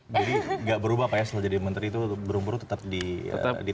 jadi nggak berubah pak ya setelah jadi menteri itu burung burung tetap ditengokin